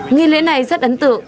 nghi lễ này rất ấn tượng